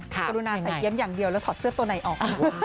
กรุณาใส่เกี้ยมอย่างเดียวแล้วถอดเสื้อตัวไหนออก